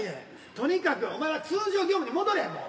とにかくお前は通常業務に戻れもう。